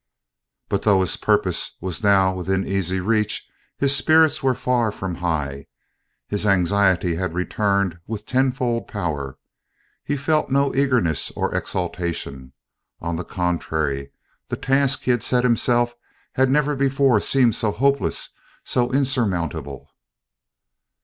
But though his purpose was now within easy reach, his spirits were far from high; his anxiety had returned with tenfold power; he felt no eagerness or exultation; on the contrary, the task he had set himself had never before seemed so hopeless, so insurmountable.